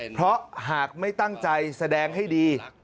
เพราะหากไม่ตั้งใจแสดงให้ดี